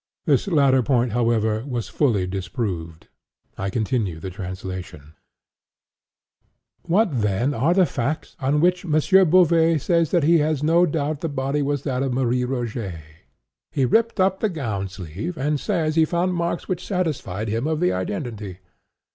This latter point, however, was fully disproved. I continue the translation: "What, then, are the facts on which M. Beauvais says that he has no doubt the body was that of Marie Rogêt? He ripped up the gown sleeve, and says he found marks which satisfied him of the identity.